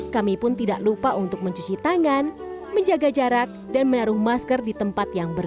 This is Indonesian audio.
kami pun tidak lupa untuk mencuci tangan menjaga jarak dan menaruh masker di tempat yang berbeda